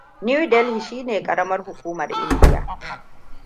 New Delhi shi ne karamar hukumar India.